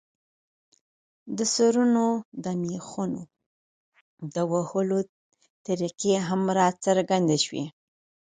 د سرونو د مېخونو د وهلو طریقې هم راڅرګندې شوې.